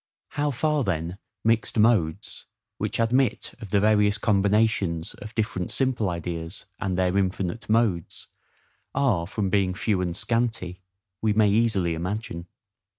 How far then mixed modes, which admit of the various combinations of different simple ideas, and their infinite modes, are from being few and scanty, we may easily imagine.